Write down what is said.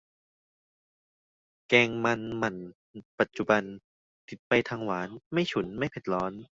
แกงมันหมั่นปัจจุบัน ติดไปทางหวาน ไม่ฉุน ไม่เผ็ดร้อน